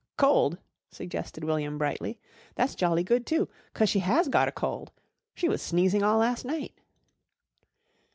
"Cold," suggested William brightly. "That's jolly good, too, 'cause she has gotter cold. She was sneezing all last night."